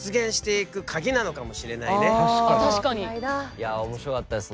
いや面白かったですね。